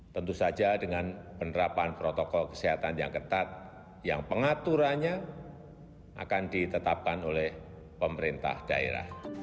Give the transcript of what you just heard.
tentu saja dengan penerapan protokol kesehatan yang ketat yang pengaturannya akan ditetapkan oleh pemerintah daerah